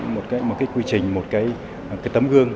một cái quy trình một cái tấm gương